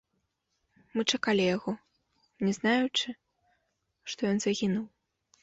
Мы чакалі яго, не знаючы, што ён загінуў.